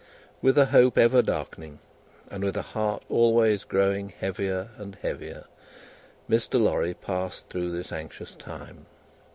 With a hope ever darkening, and with a heart always growing heavier and heavier, Mr. Lorry passed through this anxious time.